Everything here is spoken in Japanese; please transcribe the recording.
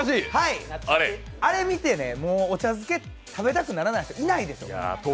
あれ見て、お茶漬け食べたくならない人いないですよ。